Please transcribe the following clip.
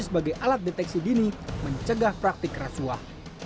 sebagai alat deteksi dini mencegah praktik rasuah